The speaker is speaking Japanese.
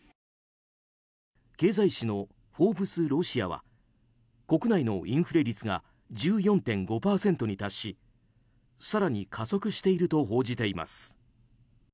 経済誌の「フォーブス・ロシア」は国内のインフレ率が１４．５％に達し更に加速していると報じています。